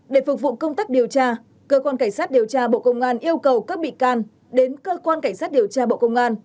để phục vụ công tác điều tra cơ quan cảnh sát điều tra bộ công an yêu cầu các bị can đến cơ quan cảnh sát điều tra bộ công an